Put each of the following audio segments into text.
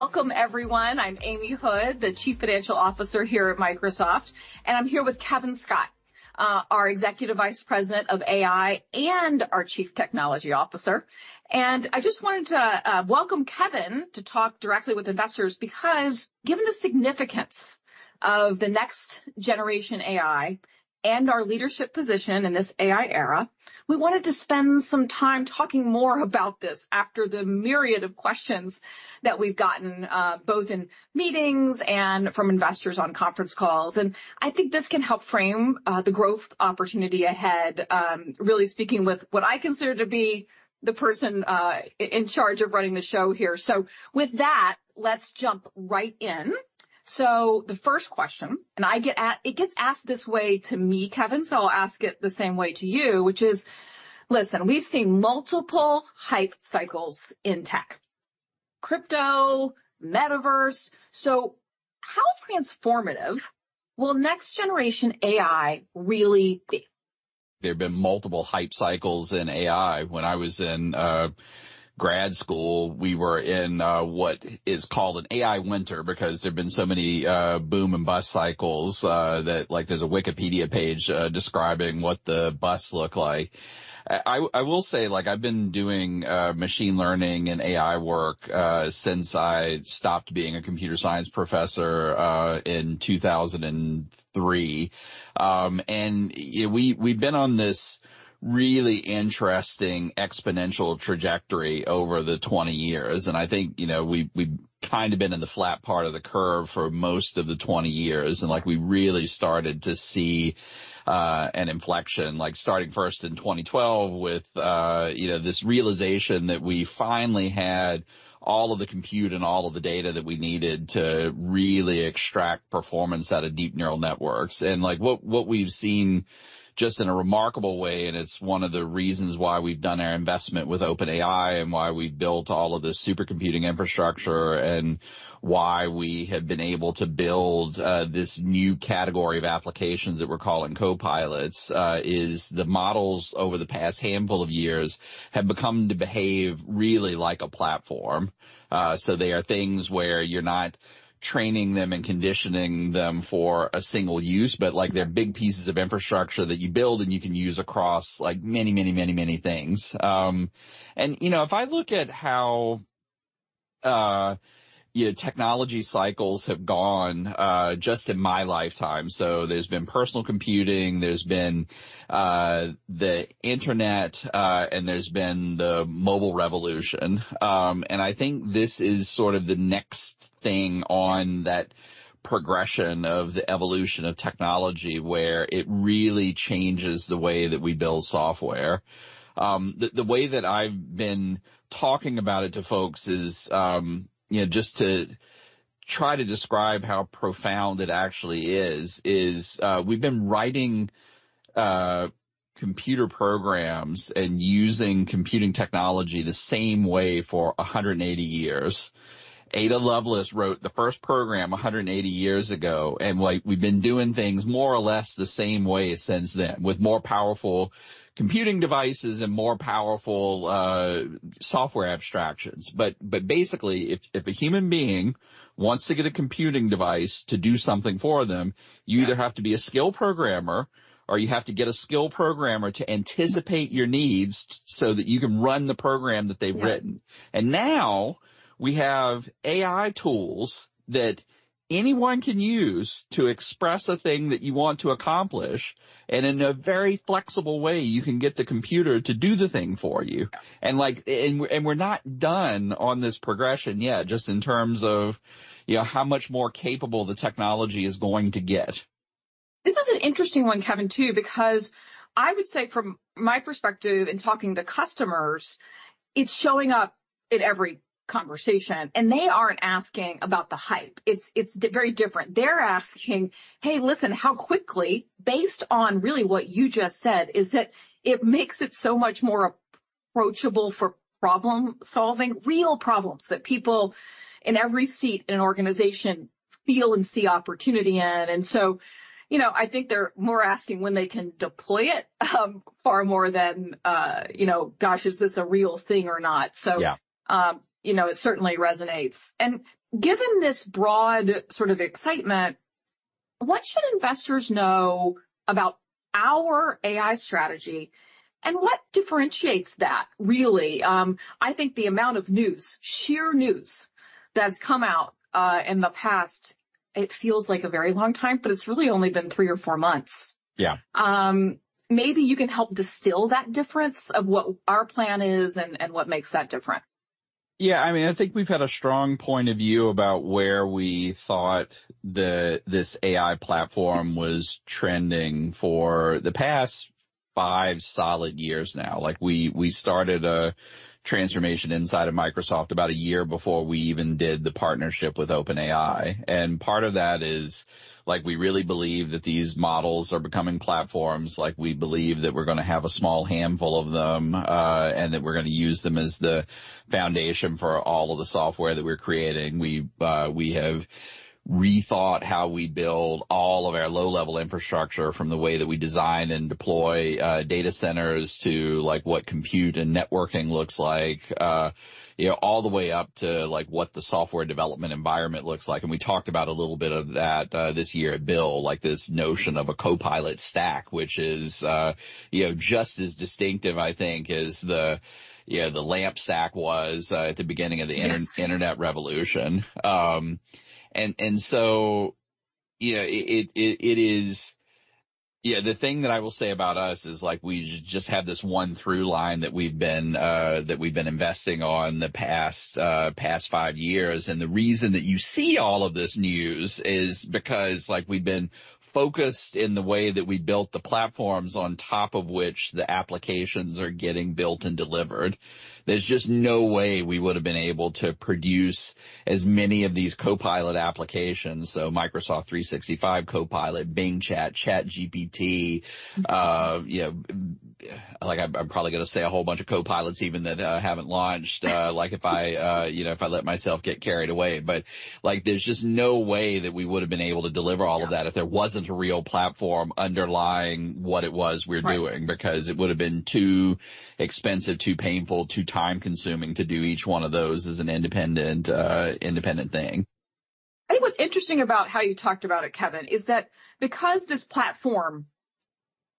Welcome, everyone. I'm Amy Hood, the Chief Financial Officer here at Microsoft, and I'm here with Kevin Scott, Our Executive Vice President of AI and Our Chief Technology Officer. I just wanted to welcome Kevin to talk directly with investors, because given the significance of the next generation AI and our leadership position in this AI era, we wanted to spend some time talking more about this after the myriad of questions that we've gotten, both in meetings and from investors on conference calls. I think this can help frame the growth opportunity ahead, really speaking with what I consider to be the person in charge of running the show here. With that, let's jump right in. The first question, and I get it gets asked this way to me, Kevin, so I'll ask it the same way to you, which is: Listen, we've seen multiple hype cycles in tech, crypto, metaverse, so how transformative will next generation AI really be? There have been multiple hype cycles in AI. When I was in grad school, we were in what is called an AI winter, because there have been so many boom and bust cycles that, like, there's a Wikipedia page describing what the bust look like. I will say, like, I've been doing machine learning and AI work since I stopped being a computer science professor in 2003. We've been on this really interesting exponential trajectory over the 20 years, and I think, you know, we've kind of been in the flat part of the curve for most of the 20 years. Like, we really started to see an inflection, like, starting first in 2012 with, you know, this realization that we finally had all of the compute and all of the data that we needed to really extract performance out of deep neural networks. Like, what we've seen just in a remarkable way, and it's one of the reasons why we've done our investment with OpenAI, and why we've built all of this supercomputing infrastructure, and why we have been able to build this new category of applications that we're calling Copilots, is the models over the past handful of years have become to behave really like a platform. They are things where you're not training them and conditioning them for a single use, but, like, they're big pieces of infrastructure that you build, and you can use across, like, many, many, many, many things. You know, if I look at how technology cycles have gone just in my lifetime, there's been personal computing, there's been the internet, and there's been the mobile revolution. I think this is sort of the next thing on that progression of the evolution of technology, where it really changes the way that we build software. The way that I've been talking about it to folks is, you know, just to try to describe how profound it actually is, we've been writing computer programs and using computing technology the same way for 180 years. Ada Lovelace wrote the first program 180 years ago. Like, we've been doing things more or less the same way since then, with more powerful computing devices and more powerful software abstractions. Basically, if a human being wants to get a computing device to do something for them, you either have to be a skilled programmer or you have to get a skilled programmer to anticipate your needs so that you can run the program that they've written. Yeah. Now we have AI tools that anyone can use to express a thing that you want to accomplish, and in a very flexible way, you can get the computer to do the thing for you. Like, and we're not done on this progression yet, just in terms of, you know, how much more capable the technology is going to get. This is an interesting one, Kevin, too, because I would say from my perspective in talking to customers, it's showing up in every conversation, and they aren't asking about the hype. It's very different. They're asking, "Hey, listen, how quickly..." Based on really what you just said, is that it makes it so much more approachable for problem-solving, real problems that people in every seat in an organization feel and see opportunity in. You know, I think they're more asking when they can deploy it, far more than, you know, "Gosh, is this a real thing or not? Yeah. You know, it certainly resonates. Given this broad sort of excitement, what should investors know about our AI strategy, and what differentiates that, really? I think the amount of news, sheer news, that's come out, in the past, it feels like a very long time, but it's really only been three or four months. Yeah. Maybe you can help distill that difference of what our plan is and what makes that different. Yeah, I mean, I think we've had a strong point of view about where we thought this AI platform was trending for the past five solid years now. Like, we started a transformation inside of Microsoft about a year before we even did the partnership with OpenAI. Part of that is, like, we really believe that these models are becoming platforms. Like, we believe that we're gonna have a small handful of them, and that we're gonna use them as the foundation for all of the software that we're creating. We have rethought how we build all of our low-level infrastructure from the way that we design and deploy data centers to, like, what compute and networking looks like, you know, all the way up to, like, what the software development environment looks like. We talked about a little bit of that, this year at Microsoft Build, like this notion of a Copilot Stack, which is, you know, just as distinctive, I think, as the, you know, the LAMP stack was at the beginning of the. Yes. Internet revolution. You know, it is yeah, the thing that I will say about us is, like, we just have this one through line that we've been investing on the past five years. The reason that you see all of this news is because, like, we've been focused in the way that we built the platforms on top of which the applications are getting built and delivered. There's just no way we would have been able to produce as many of these Copilot applications, so Microsoft 365 Copilot, Bing Chat, ChatGPT, you know. Like, I'm probably gonna say a whole bunch of Copilots even that haven't launched, like if I, you know, if I let myself get carried away. Like, there's just no way that we would have been able to deliver all of that if there wasn't a real platform underlying what it was we're doing. Right. Because it would have been too expensive, too painful, too time-consuming to do each one of those as an independent thing. I think what's interesting about how you talked about it, Kevin, is that because this platform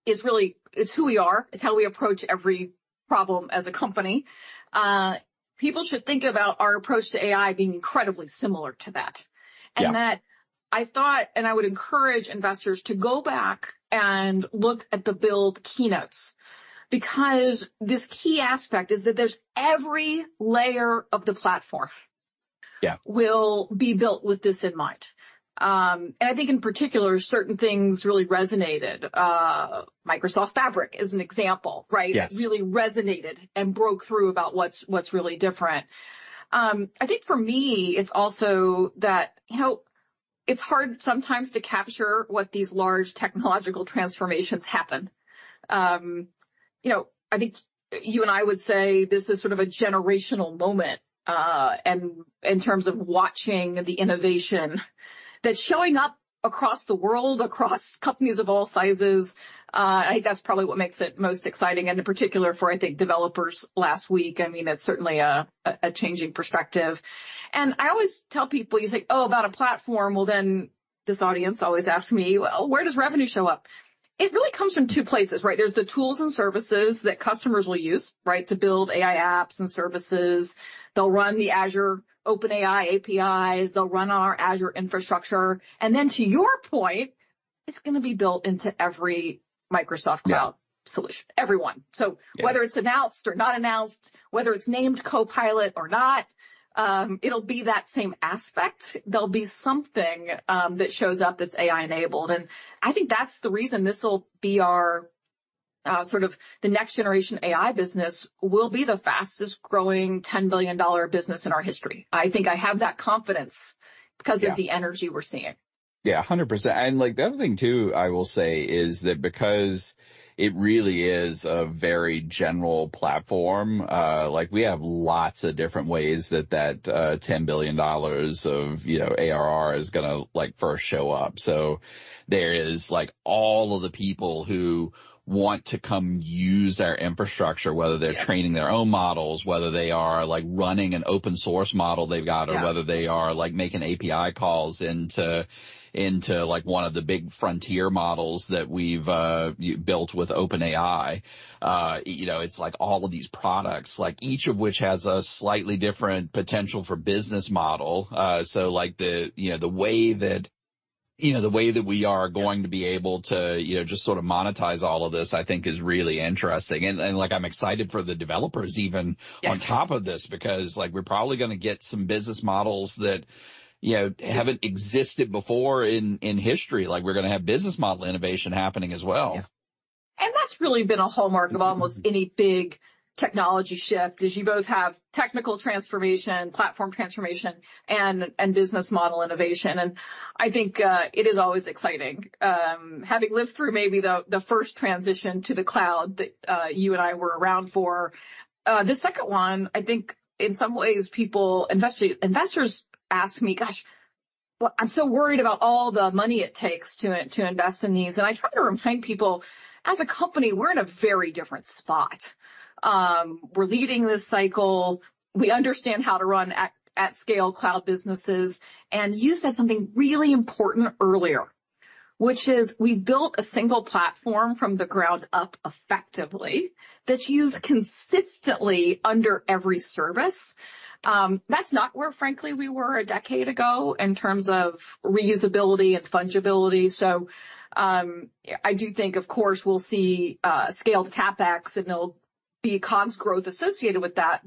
is really, it's who we are, it's how we approach every problem as a company, people should think about our approach to AI being incredibly similar to that. Yeah. That I thought, and I would encourage investors to go back and look at the Build keynotes, because this key aspect is that there's every layer of the platform. Yeah.... will be built with this in mind. I think in particular, certain things really resonated. Microsoft Fabric is an example, right? Yes. It really resonated and broke through about what's really different. I think for me, it's also that, you know, it's hard sometimes to capture what these large technological transformations happen. You know, I think you and I would say this is sort of a generational moment, and in terms of watching the innovation that's showing up across the world, across companies of all sizes. I think that's probably what makes it most exciting, and in particular, for, I think, developers last week. I mean, it's certainly a changing perspective. I always tell people, you think, "Oh, about a platform?" Well, then this audience always asks me, "Well, where does revenue show up?" It really comes from two places, right? There's the tools and services that customers will use, right, to build AI apps and services. They'll run the Azure OpenAI APIs, they'll run our Azure infrastructure, and then, to your point, it's gonna be built into every Microsoft cloud- Yeah. solution. Everyone. Yeah. Whether it's announced or not announced, whether it's named Copilot or not, it'll be that same aspect. There'll be something that shows up that's AI-enabled. I think that's the reason this will be our sort of the next generation AI business will be the fastest growing $10 billion business in our history. I think I have that confidence. Yeah. Because of the energy we're seeing. Yeah, 100%. Like, the other thing, too, I will say, is that because it really is a very general platform, like, we have lots of different ways that, $10 billion of, you know, AI is gonna, like, first show up. There is, like, all of the people who want to come use our infrastructure. Yes.... they're training their own models, whether they are, like, running an open source model they've got-. Yeah. or whether they are, like, making API calls into, like, one of the big frontier models that we've built with OpenAI. You know, it's like all of these products, like, each of which has a slightly different potential for business model. Like, you know, the way that, you know, the way that we are- Yeah. going to be able to, you know, just sort of monetize all of this, I think is really interesting. And, like, I'm excited for the developers even. Yes. on top of this, because, like, we're probably gonna get some business models that, you know, haven't existed before in history. Like, we're gonna have business model innovation happening as well. Yeah. That's really been a hallmark of almost any big technology shift, is you both have technical transformation, platform transformation, and business model innovation. I think it is always exciting. Having lived through maybe the first transition to the cloud that you and I were around for, the second one, I think in some ways, people, investors ask me, "Gosh, well, I'm so worried about all the money it takes to invest in these." I try to remind people, as a company, we're in a very different spot. We're leading this cycle. We understand how to run at-scale cloud businesses, and you said something really important earlier, which is we've built a single platform from the ground up effectively, that's used consistently under every service. That's not where, frankly, we were a decade ago in terms of reusability and fungibility. I do think, of course, we'll see scaled CapEx, and there'll be COGS growth associated with that.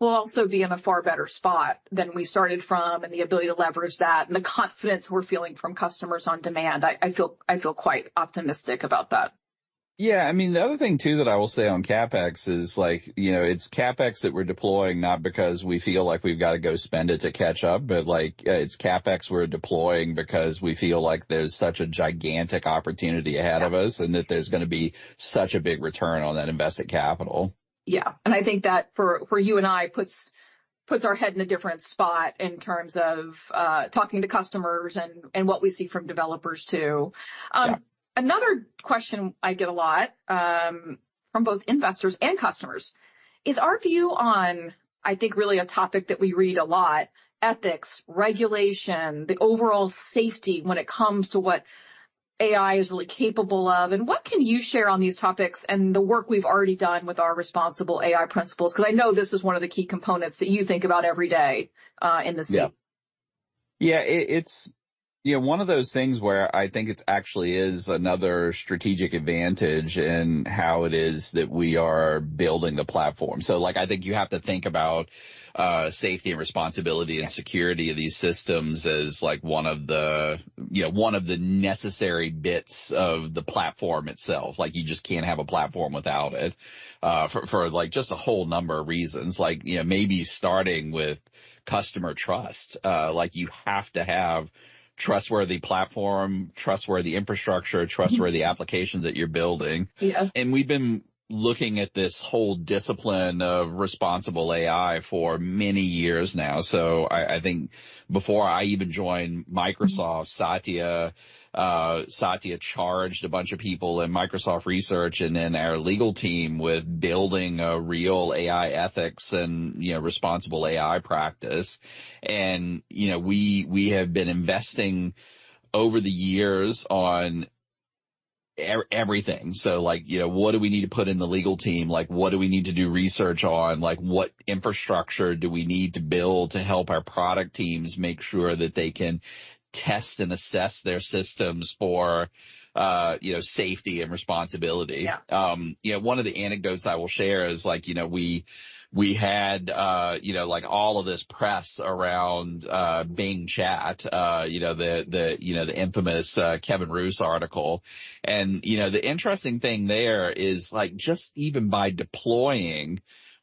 We'll also be in a far better spot than we started from, and the ability to leverage that and the confidence we're feeling from customers on demand. I feel quite optimistic about that. Yeah, I mean, the other thing, too, that I will say on CapEx is like, you know, it's CapEx that we're deploying, not because we feel like we've got to go spend it to catch up, but, like, it's CapEx we're deploying because we feel like there's such a gigantic opportunity ahead of us. Yeah. That there's gonna be such a big return on that invested capital. I think that for you and I, puts our head in a different spot in terms of talking to customers and what we see from developers, too. Yeah. Another question I get a lot, from both investors and customers is our view on, I think, really a topic that we read a lot: ethics, regulation, the overall safety when it comes to what AI is really capable of. What can you share on these topics and the work we've already done with our responsible AI principles? Because I know this is one of the key components that you think about every day, in the suite. Yeah. Yeah, it's, you know, one of those things where I think it's actually is another strategic advantage in how it is that we are building the platform. Like, I think you have to think about safety and responsibility-. Yeah.... and security of these systems as, like, one of the, you know, one of the necessary bits of the platform itself. Like, you just can't have a platform without it, for, like, just a whole number of reasons. Like, you know, maybe starting with customer trust. Like, you have to have trustworthy platform, trustworthy infrastructure... Mm-hmm. trustworthy applications that you're building. Yeah. we've been looking at this whole discipline of responsible AI for many years now. I think before I even joined Microsoft... Mm-hmm. Satya charged a bunch of people in Microsoft Research and then our legal team with building a real AI ethics and, you know, responsible AI practice. You know, we have been investing over the years on everything. Like, you know, what do we need to put in the legal team? Like, what do we need to do research on? Like, what infrastructure do we need to build to help our product teams make sure that they can test and assess their systems for, you know, safety and responsibility? Yeah. You know, one of the anecdotes I will share is like, you know, we had, you know, like, all of this press around, Bing Chat, you know, the infamous Kevin Roose article. You know, the interesting thing there is, like, just even by... Yeah....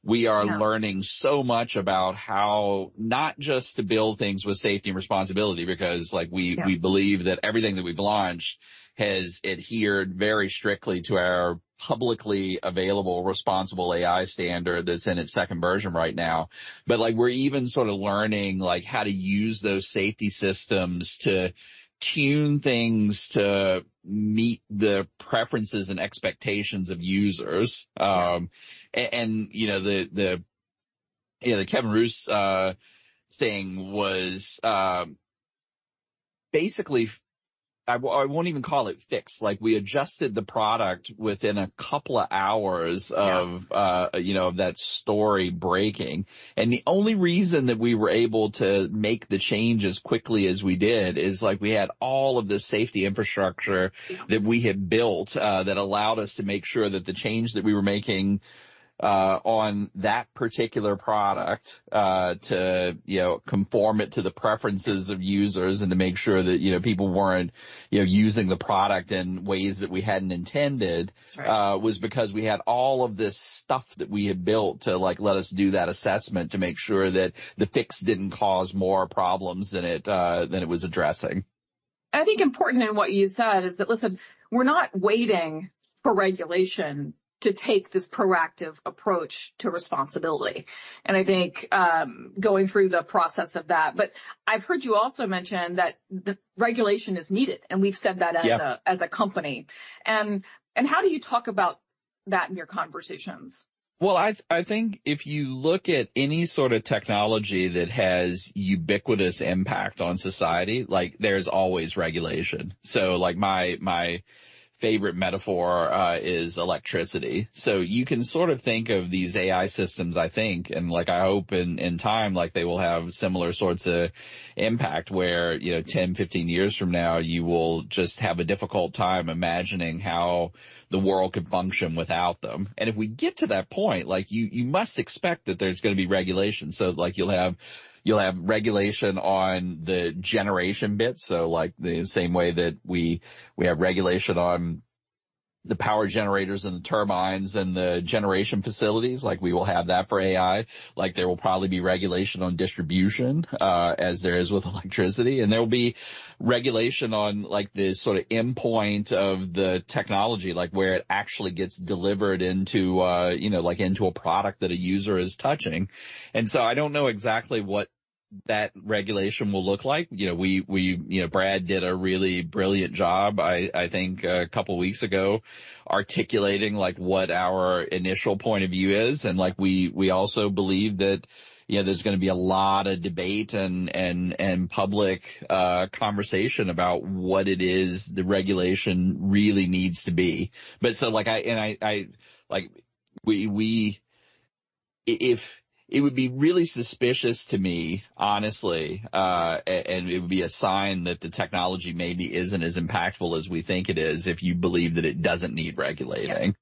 we are learning so much about how not just to build things with safety and responsibility, because, like we- Yeah.... we believe that everything that we've launched has adhered very strictly to our publicly available Responsible AI Standard that's in its second version right now. Like, we're even sort of learning, like, how to use those safety systems to tune things to meet the preferences and expectations of users. You know, the, you know, the Kevin Roose thing was basically, I won't even call it fixed. Like, we adjusted the product within a couple of hours of. Yeah. you know, of that story breaking. The only reason that we were able to make the change as quickly as we did is, like, we had all of the safety infrastructure- Yeah. that we had built, that allowed us to make sure that the change that we were making, on that particular product, to, you know, conform it to the preferences of users and to make sure that, you know, people weren't, you know, using the product in ways that we hadn't intended That's right.... was because we had all of this stuff that we had built to, like, let us do that assessment, to make sure that the fix didn't cause more problems than it, than it was addressing. I think important in what you said is that, listen, we're not waiting for regulation to take this proactive approach to responsibility, and I think, going through the process of that. I've heard you also mention that the regulation is needed, and we've said that. Yeah.... as a company. How do you talk about that in your conversations? Well, I think if you look at any sort of technology that has ubiquitous impact on society, like, there's always regulation. Like, my favorite metaphor is electricity. You can sort of think of these AI systems, I think, and like I hope in time, like, they will have similar sorts of impact, where, you know, 10, 15 years from now, you will just have a difficult time imagining how the world could function without them. If we get to that point, like you must expect that there's gonna be regulation. Like, you'll have regulation on the generation bit. Like, the same way that we have regulation on the power generators and the turbines and the generation facilities, like, we will have that for AI. Like, there will probably be regulation on distribution, as there is with electricity, and there will be regulation on, like, the sort of endpoint of the technology, like, where it actually gets delivered into, you know, like into a product that a user is touching. I don't know exactly what that regulation will look like. You know, Brad did a really brilliant job, I think, a couple of weeks ago, articulating, like, what our initial point of view is. We also believe that, you know, there's gonna be a lot of debate and public conversation about what it is the regulation really needs to be. Like, I... It would be really suspicious to me, honestly, and it would be a sign that the technology maybe isn't as impactful as we think it is, if you believe that it doesn't need regulating.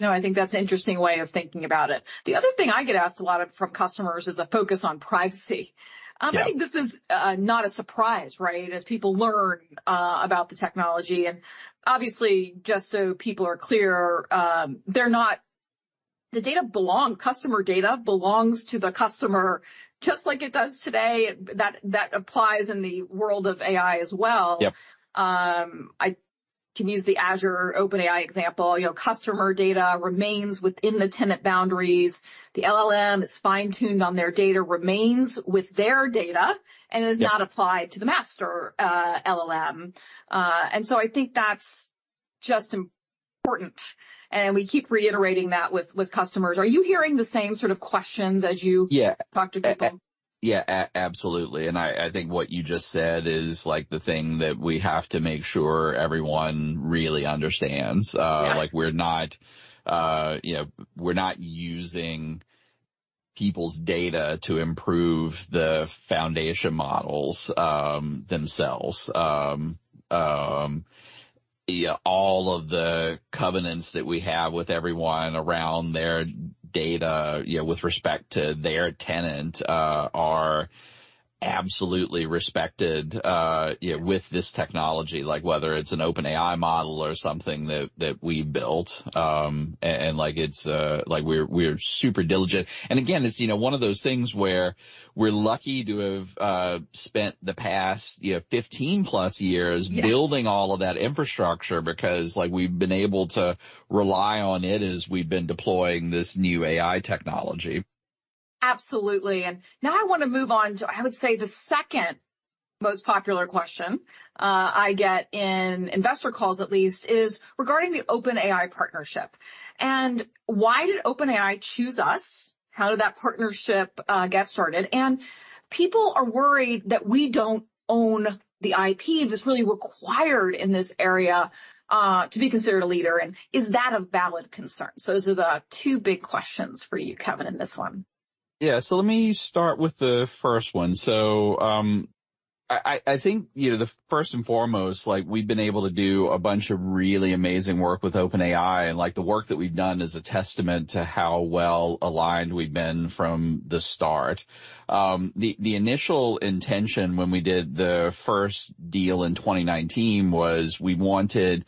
I think that's an interesting way of thinking about it. The other thing I get asked a lot of from customers is a focus on privacy. Yeah. I think this is not a surprise, right? As people learn about the technology, and obviously, just so people are clear, they're not... Customer data belongs to the customer, just like it does today, that applies in the world of AI as well. Yeah. I can use the Azure OpenAI example. You know, customer data remains within the tenant boundaries. The LLM is fine-tuned on their data, remains with their data. Yeah. is not applied to the master, LLM. I think that's just important, and we keep reiterating that with customers. Are you hearing the same sort of questions as you- Yeah. talk to people? Yeah, absolutely, and I think what you just said is, like, the thing that we have to make sure everyone really understands. Yeah. Like, we're not, you know, we're not using people's data to improve the foundation models themselves. Yeah, all of the covenants that we have with everyone around their data, you know, with respect to their tenant, are absolutely respected, you know, with this technology. Like, whether it's an OpenAI model or something that we built, and like it's, like we're super diligent. Again, it's, you know, one of those things where we're lucky to have spent the past, you know, 15 plus years- Yes.... building all of that infrastructure because, like, we've been able to rely on it as we've been deploying this new AI technology. Absolutely. Now I wanna move on to, I would say, the second most popular question I get in investor calls, at least, is regarding the OpenAI partnership. Why did OpenAI choose us? How did that partnership get started? People are worried that we don't own the IP that's really required in this area to be considered a leader. Is that a valid concern? Those are the two big questions for you, Kevin, in this one. Yeah. Let me start with the first one. I think, you know, the first and foremost, like, we've been able to do a bunch of really amazing work with OpenAI, and, like, the work that we've done is a testament to how well aligned we've been from the start. The initial intention when we did the first deal in 2019 was we wanted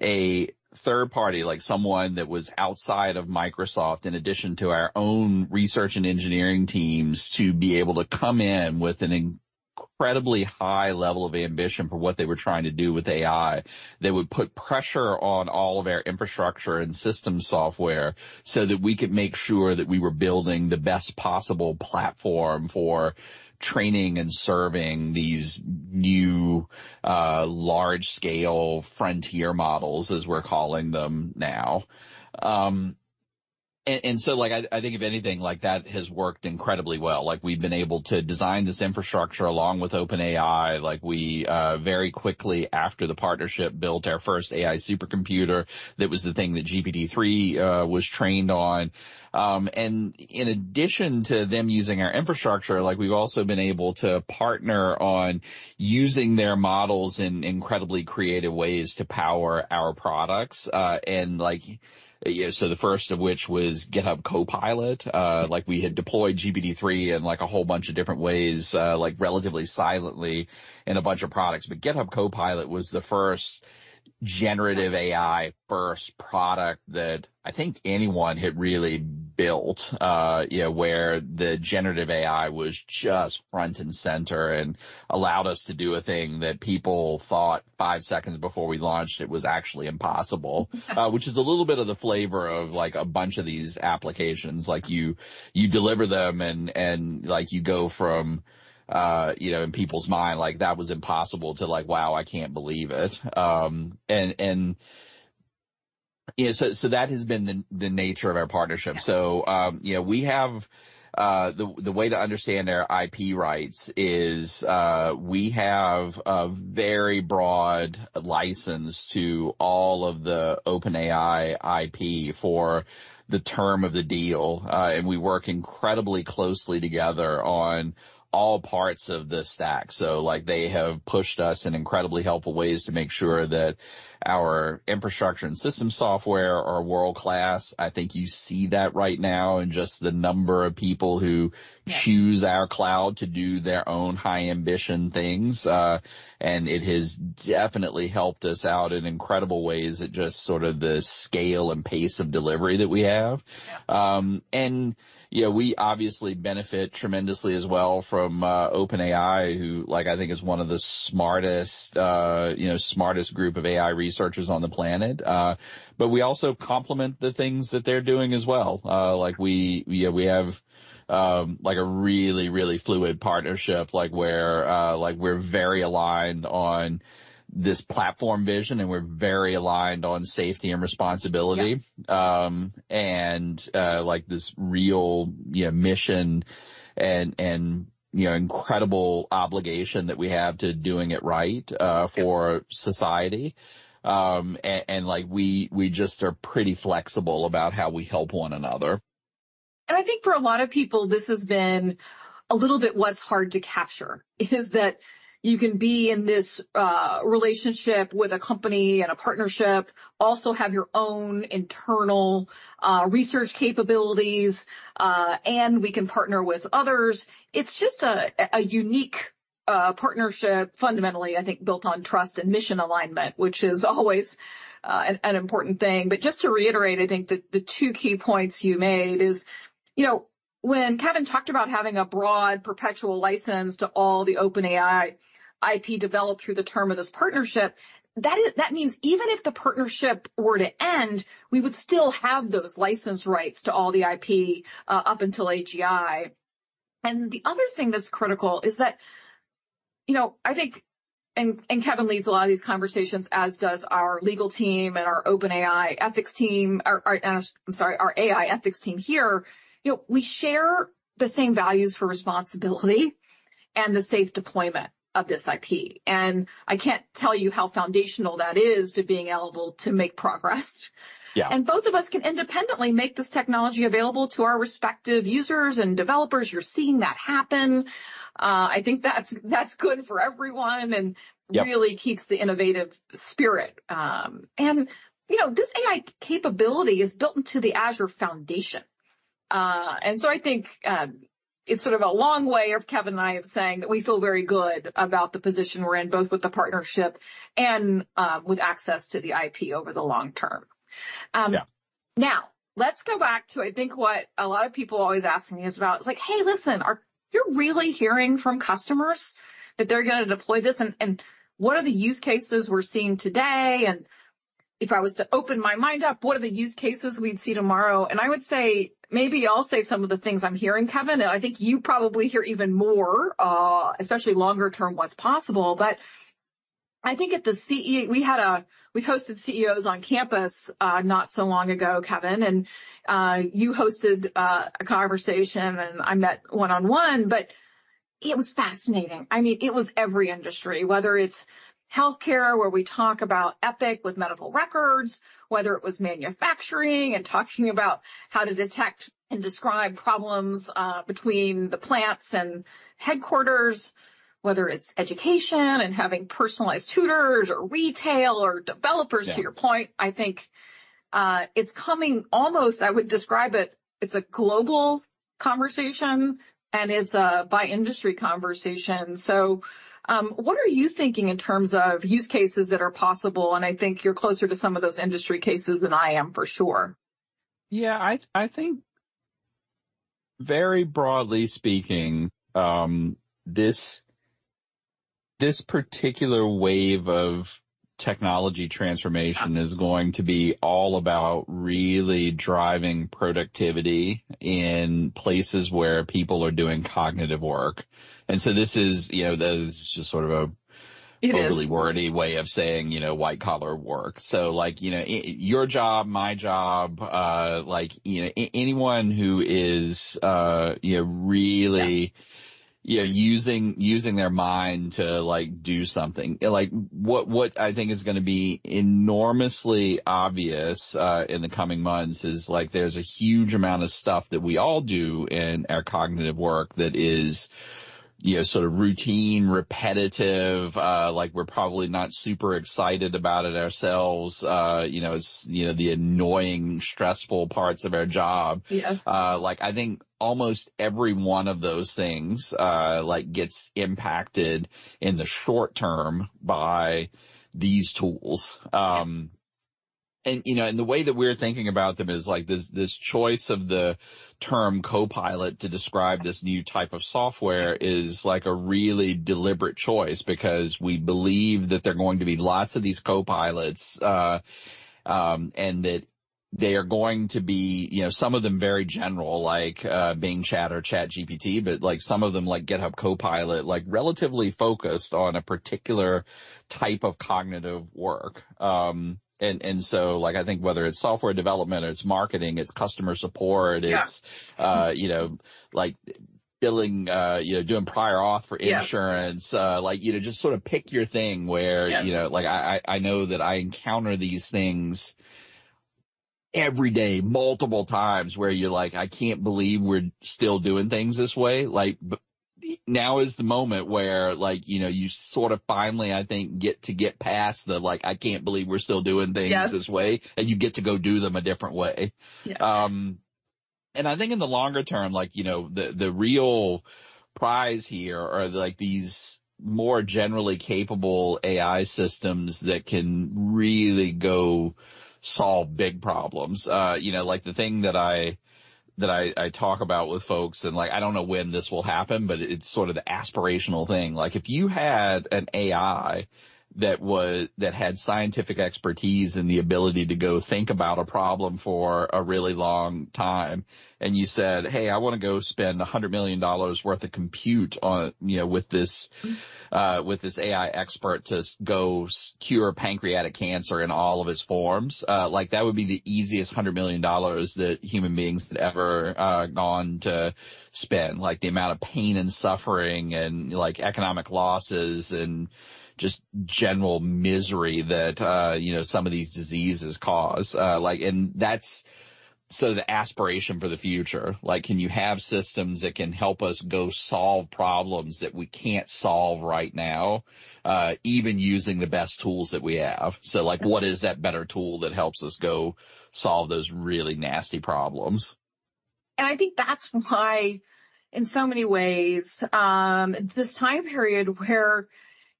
a third party, like someone that was outside of Microsoft, in addition to our own research and engineering teams, to be able to come in with an incredibly high level of ambition for what they were trying to do with AI. They would put pressure on all of our infrastructure and systems software so that we could make sure that we were building the best possible platform for training and serving these new, large-scale frontier models, as we're calling them now. Like, I think if anything, like, that has worked incredibly well. Like, we've been able to design this infrastructure along with OpenAI. Like, we very quickly after the partnership, built our first AI supercomputer. That was the thing that GPT-3 was trained on. In addition to them using our infrastructure, like, we've also been able to partner on using their models in incredibly creative ways to power our products. The first of which was GitHub Copilot. like, we had deployed GPT-3 in, like, a whole bunch of different ways, like, relatively silently in a bunch of products. GitHub Copilot was the first generative AI first product that I think anyone had really built, you know, where the generative AI was just front and center and allowed us to do a thing that people thought five seconds before we launched it, was actually impossible. Yes. Which is a little bit of the flavor of, like, a bunch of these applications. Like, you deliver them, and, like, you go from, you know, in people's mind, like, that was impossible to, like, "Wow, I can't believe it." Yeah, so that has been the nature of our partnership. Yeah. You know, we have the way to understand their IP rights is, we have a very broad license to all of the OpenAI IP for the term of the deal, and we work incredibly closely together on all parts of the stack. Like, they have pushed us in incredibly helpful ways to make sure that our infrastructure and systems software are world-class. I think you see that right now in just the number of people. Yeah. choose our cloud to do their own high ambition things. It has definitely helped us out in incredible ways at just sort of the scale and pace of delivery that we have. You know, we obviously benefit tremendously as well from OpenAI, who, like, I think is one of the smartest, you know, smartest group of AI researchers on the planet. We also complement the things that they're doing as well. Like, we, you know, we have, like, a really, really fluid partnership, like, where, like, we're very aligned on this platform vision, and we're very aligned on safety and responsibility. Yeah. Like, this real, you know, mission and, you know, incredible obligation that we have to doing it right. Yeah.... for society. Like we just are pretty flexible about how we help one another. I think for a lot of people, this has been a little bit what's hard to capture, is that you can be in this relationship with a company and a partnership, also have your own internal research capabilities, and we can partner with others. It's just a unique partnership, fundamentally, I think, built on trust and mission alignment, which is always an important thing. Just to reiterate, I think the two key points you made is, you know, when Kevin talked about having a broad, perpetual license to all the OpenAI IP developed through the term of this partnership, that means even if the partnership were to end, we would still have those license rights to all the IP up until AGI. The other thing that's critical is that, you know, I think, and Kevin leads a lot of these conversations, as does our legal team and our OpenAI ethics team, I'm sorry, our AI ethics team here. You know, we share the same values for responsibility and the safe deployment of this IP. I can't tell you how foundational that is to being able to make progress. Yeah. Both of us can independently make this technology available to our respective users and developers. You're seeing that happen. I think that's good for everyone. Yeah. Really keeps the innovative spirit. You know, this AI capability is built into the Azure foundation. I think, it's sort of a long way of Kevin and I are saying that we feel very good about the position we're in, both with the partnership and with access to the IP over the long term. Yeah. Let's go back to, I think, what a lot of people always ask me is about, it's like: "Hey, listen, are you really hearing from customers that they're gonna deploy this? What are the use cases we're seeing today? If I was to open my mind up, what are the use cases we'd see tomorrow?" I would say, maybe I'll say some of the things I'm hearing, Kevin. I think you probably hear even more, especially longer term, what's possible. I think we hosted CEOs on campus, not so long ago, Kevin, you hosted a conversation, I met one-on-one, but it was fascinating. I mean, it was every industry, whether it's healthcare, where we talk about Epic with medical records, whether it was manufacturing and talking about how to detect and describe problems between the plants and headquarters. Whether it's education and having personalized tutors or retail or developers... Yeah. To your point, I think, it's coming almost... I would describe it's a global conversation, and it's a by industry conversation. What are you thinking in terms of use cases that are possible? I think you're closer to some of those industry cases than I am, for sure. Yeah, I think very broadly speaking, this particular wave of technology transformation is going to be all about really driving productivity in places where people are doing cognitive work. This is, you know, this is just sort of. It is. overly wordy way of saying, you know, white-collar work. Like, you know, your job, my job, like, you know, anyone who is, you know, really-. Yeah. you know, using their mind to, like, do something. Like, what I think is gonna be enormously obvious in the coming months is, like, there's a huge amount of stuff that we all do in our cognitive work that is, you know, sort of routine, repetitive, like, we're probably not super excited about it ourselves. you know, it's, you know, the annoying, stressful parts of our job. Yes. Like, I think almost every one of those things, like, gets impacted in the short term by these tools. You know, the way that we're thinking about them is, like, this choice of the term "Copilot" to describe this new type of software is, like, a really deliberate choice because we believe that there are going to be lots of these Copilots. That they are going to be, you know, some of them very general, like, Bing Chat or ChatGPT, but, like, some of them, like GitHub Copilot, like, relatively focused on a particular type of cognitive work. Like, I think whether it's software development or it's marketing, it's customer support- Yeah. It's, you know, like billing, you know, doing prior auth for insurance. Yeah. Like, you know, just sort of pick your thing. Yes. you know, like, I know that I encounter these things every day, multiple times, where you're like: "I can't believe we're still doing things this way." Like, now is the moment where, like, you know, you sort of finally, I think, get past the, like, I can't believe we're still doing things this way. Yes. You get to go do them a different way. Yeah. I think in the longer term, like, you know, the real prize here are, like, these more generally capable AI systems that can really go solve big problems. you know, like, the thing that I talk about with folks, and, like, I don't know when this will happen, but it's sort of the aspirational thing. Like, if you had an AI that had scientific expertise and the ability to go think about a problem for a really long time, and you said: "Hey, I wanna go spend $100 million worth of compute on, you know, with this- Mm-hmm. With this AI expert to go cure pancreatic cancer in all of its forms, like, that would be the easiest $100 million that human beings had ever gone to spend. Like, the amount of pain and suffering and, like, economic losses and just general misery that, you know, some of these diseases cause. Like, that's so the aspiration for the future. Like, can you have systems that can help us go solve problems that we can't solve right now, even using the best tools that we have? Yeah. like, what is that better tool that helps us go solve those really nasty problems? I think that's why, in so many ways, this time period where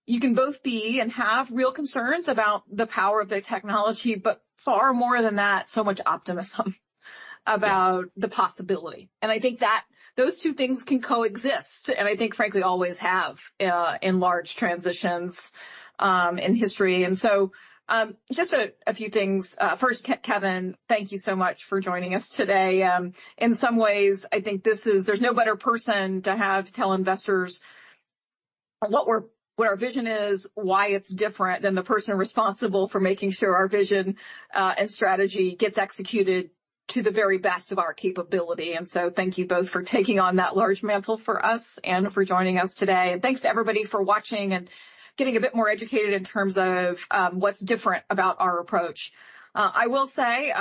you can both be and have real concerns about the power of the technology, but far more than that, so much optimism about Yeah. the possibility. I think that those two things can coexist, and I think, frankly, always have in large transitions in history. Just a few things. First, Kevin, thank you so much for joining us today. In some ways, I think there's no better person to have to tell investors what our vision is, why it's different, than the person responsible for making sure our vision and strategy gets executed to the very best of our capability. Thank you both for taking on that large mantle for us and for joining us today. Thanks to everybody for watching and getting a bit more educated in terms of what's different about our approach. I will say,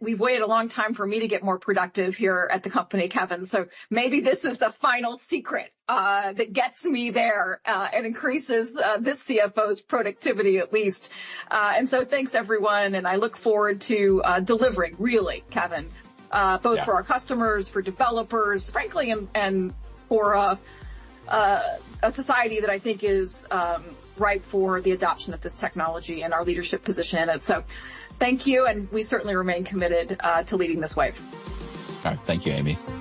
we've waited a long time for me to get more productive here at the company, Kevin, so maybe this is the final secret that gets me there and increases this CFO's productivity at least. Thanks, everyone, and I look forward to delivering, really, Kevin- Yeah.... both for our customers, for developers, frankly, and for a society that I think is ripe for the adoption of this technology and our leadership position. Thank you, and we certainly remain committed to leading this wave. All right. Thank you, Amy.